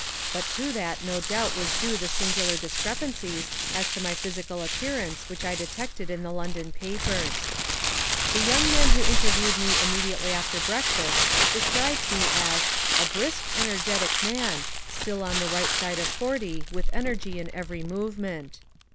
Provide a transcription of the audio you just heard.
But to that no doubt was due the singular discrepancies as to my physical appearance which I detected in the London papers. The young man who interviewed me immediately after breakfast described me as "a brisk, energetic man, still on the right side of forty, with energy in every movement."